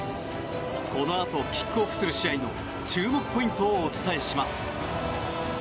このあとキックオフする試合の注目ポイントをお伝えします。